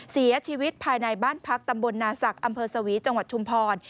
เสียชีวิตภายในบ้านพักตำบลนาศักดิ์อำเภอสวีจังหวัดชุมพร